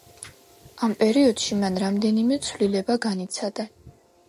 ამ პერიოდში მან რამდენიმე ცვლილება განიცადა.